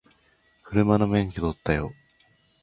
車の免許取ったよ